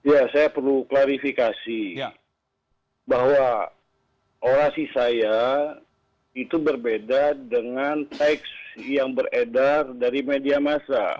ya saya perlu klarifikasi bahwa orasi saya itu berbeda dengan teks yang beredar dari media massa